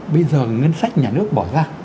bây giờ ngân sách nhà nước bỏ ra